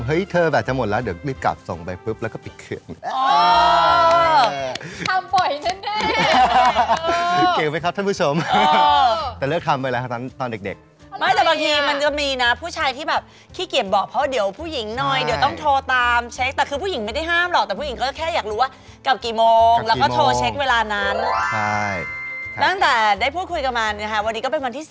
เฮ้ยเธอแบบจะหมดแล้วเดี๋ยวรีบกลับส่งไปปุ๊บ